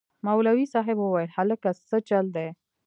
مولوي صاحب وويل هلکه سه چل دې.